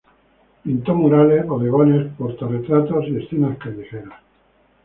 Pintó murales, bodegones, porta retratos y escenas callejeras.